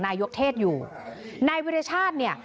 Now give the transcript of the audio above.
นายกเทศอยู่นายวิรชาติเนี่ย